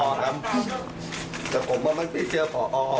และผมว่าไม่เจอปอ๕๔